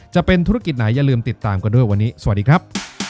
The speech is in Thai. จะเป็นธุรกิจไหนอย่าลืมติดตามกันด้วยวันนี้สวัสดีครับ